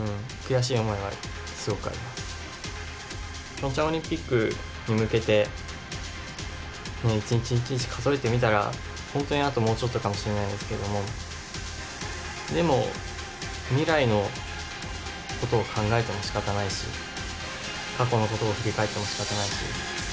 ピョンチャンオリンピックに向けて一日一日数えてみたら本当にあともうちょっとかもしれないんですけどもでも未来のことを考えてもしかたないし過去のことを振り返ってもしかたないし。